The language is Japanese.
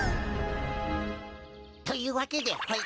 というわけでほい。